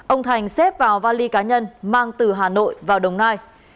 ông thành xếp vào vali cá nhân mang từ hà nội vào đồng nai